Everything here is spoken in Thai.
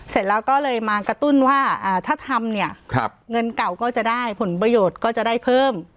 เสร็จแล้วก็เลยมากระตุ้นว่าถ้าทำเนี่ยเงินเก่าก็จะได้ผลประโยชน์ก็จะได้เพิ่ม